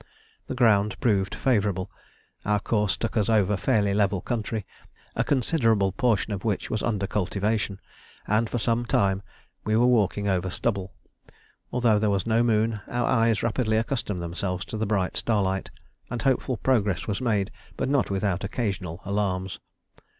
The ground proved favourable: our course took us over fairly level country, a considerable portion of which was under cultivation, and for some time we were walking over stubble. Although there was no moon, our eyes rapidly accustomed themselves to the bright starlight, and hopeful progress was made, but not without occasional alarms.